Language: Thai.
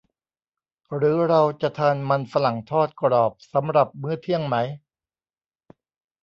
หรือเราจะทานมันฝรั่งทอดกรอบสำหรับมื้อเที่ยงไหม ?